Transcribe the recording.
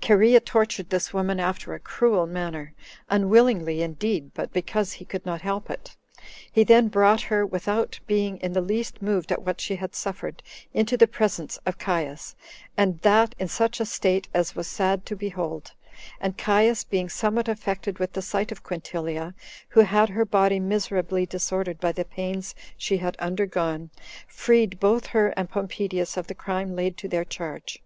Cherea tortured this woman after a cruel manner; unwillingly indeed, but because he could not help it. He then brought her, without being in the least moved at what she had suffered, into the presence of Caius, and that in such a state as was sad to behold; and Caius, being somewhat affected with the sight of Quintilia, who had her body miserably disordered by the pains she had undergone, freed both her and Pompedius of the crime laid to their charge.